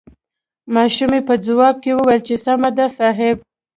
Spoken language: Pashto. ماشومې په ځواب کې وويل چې سمه ده صاحب.